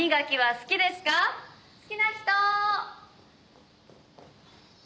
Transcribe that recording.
好きな人？